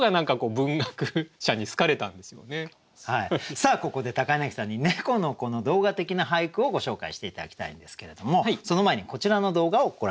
さあここで柳さんに「猫の子」の動画的な俳句をご紹介して頂きたいんですけれどもその前にこちらの動画をご覧下さい。